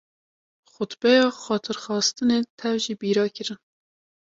Xutbeya Xatirxwestinê tev ji bîra kirin.